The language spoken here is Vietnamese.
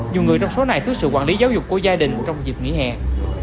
nhiều người trong số này thức sự quản lý giáo dục của gia đình trong dịp nghỉ hẹn